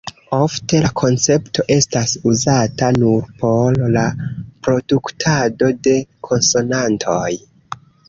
Ofte la koncepto estas uzata nur por la produktado de konsonantoj.